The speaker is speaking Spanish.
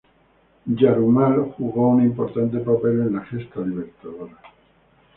Yarumal jugó un importante papel en la gesta libertadora.